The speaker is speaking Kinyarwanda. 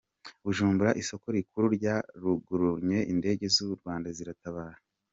Bujumbura Isoko rikuru ryaragurumanye indege z’u Rwanda ziratabara